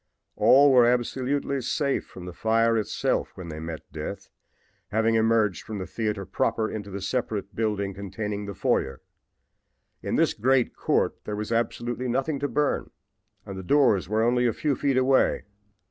All were absolutely safe from the fire itself when they met death, having emerged from the theater proper into the separate building containing the foyer. In this great court there was absolutely nothing to burn and the doors were only a few feet away.